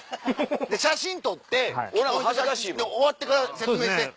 写真撮って終わってから説明して。